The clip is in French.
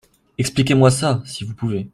Expliquez-moi ça ! si vous pouvez.